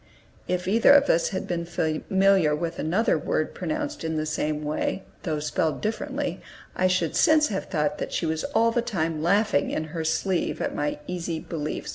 (If either of us had been familiar with another word pronounced in the same way, though spelled differently, I should since have thought that she was all the time laughing in her sleeve at my easy belief.)